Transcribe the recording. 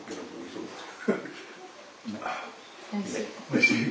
おいしい。